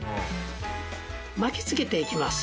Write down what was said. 巻きつけていきます。